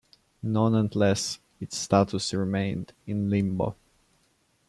Nonetheless, its status remained in limbo.